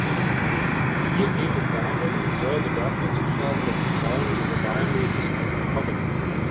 Hier geht es darum, Sorge dafür zu tragen, dass Frauen diese Wahlmöglichkeit bekommen.